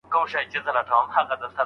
ذهن مو د پوهي مرکز وګرځوئ.